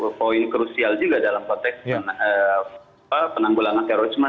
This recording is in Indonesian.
ada poin krusial juga dalam konteks penanggulangan terorisme